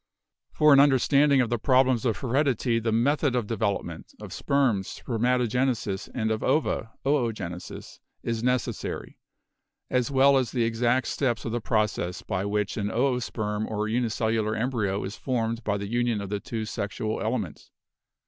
For an understanding of the problems of heredity the method of development, of sperms, 'spermatogenesis,' and of ova, 'oogenesis,' is necessary as well as the exact steps of the process by which an oosperm or unicellular embryo is formed by the union of the two sexual elements.